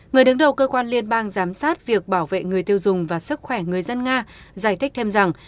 người đứng đầu cơ quan liên bang giám sát việc bảo vệ người tiêu dùng và sức khỏe người dân nga giải thích thêm rằng